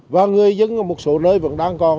và người dân ở một số nơi vẫn đang còn